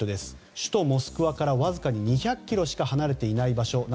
首都モスクワからわずかに２００ｋｍしか離れていない場所